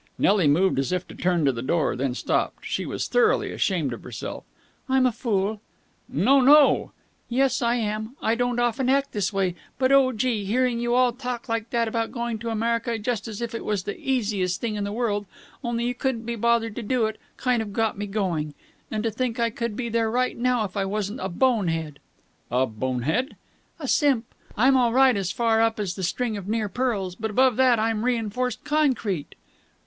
Nelly moved as if to turn to the door, then stopped. She was thoroughly ashamed of herself. "I'm a fool!" "No, no!" "Yes, I am. I don't often act this way, but, oh, gee! hearing you all talking like that about going to America, just as if it was the easiest thing in the world, only you couldn't be bothered to do it, kind of got me going. And to think I could be there right now if I wasn't a bonehead!" "A bonehead?" "A simp. I'm all right as far up as the string of near pearls, but above that I'm reinforced concrete."